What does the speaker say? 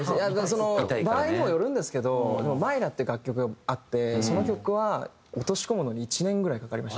場合にもよるんですけど『Ｍｙｒａ』っていう楽曲があってその曲は落とし込むのに１年ぐらいかかりましたね。